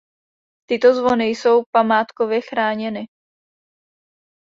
Tyto zvony jsou památkově chráněny.